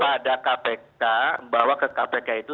pada kpk bawa ke kpk itu